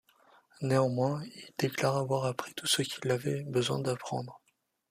Néanmoins, il déclare y avoir appris tout ce qu'il avait besoin d'apprendre.